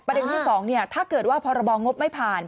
ประเด็นที่๒เนี่ยถ้าเกิดว่าพรบองงบไม่ผ่าน